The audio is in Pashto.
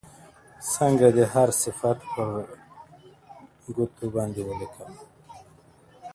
څنگه دې هر صفت پر گوتو باندې وليکمه_